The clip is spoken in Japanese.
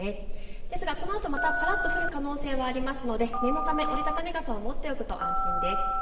ですがこのあともぱらっと降る可能性もありますので念のため折り畳み傘を持っておくと安心です。